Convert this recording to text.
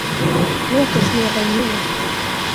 Låt oss leva i nuet!